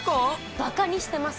バカにしてます？